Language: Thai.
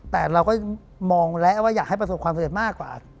แต่เราก็มองแล้วว่าอยากให้ประสบความสำเร็จมากกว่า